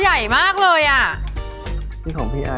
ดัดอังมา